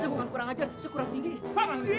sebukan kurang ajar sekurang tinggi